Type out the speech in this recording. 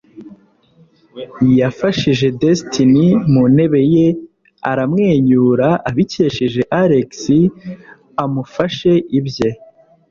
Yafashije Destiny mu ntebe ye aramwenyura abikesheje Alex amufashe ibye.